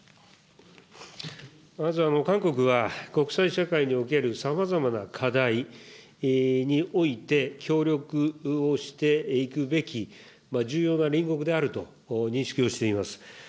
まず、韓国は国際社会におけるさまざまな課題において、協力をしていくべき重要な隣国であると認識をしております。